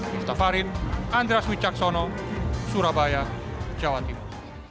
mustafa rid andreas wicaksono surabaya jawa timur